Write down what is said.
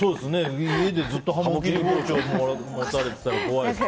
家でずっと包丁を持たれてたら怖いですね。